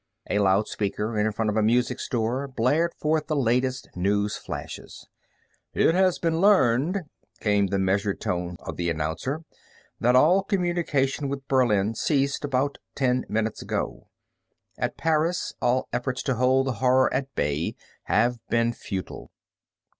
A loudspeaker in front of a music store blared forth the latest news flashes. "It has been learned," came the measured tones of the announcer, "that all communication with Berlin ceased about ten minutes ago. At Paris all efforts to hold the Horror at bay have been futile.